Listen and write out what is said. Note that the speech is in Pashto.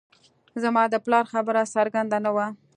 زما د پلار خبره څرګنده نه وه